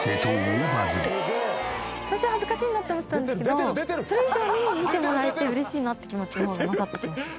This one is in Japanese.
最初は恥ずかしいなって思ってたんですけどそれ以上に見てもらえて嬉しいなって気持ちの方が勝ってきました。